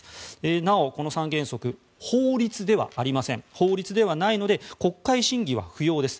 なお、この三原則法律ではありません。法律ではないので国会審議は不要です。